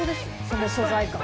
その素材感。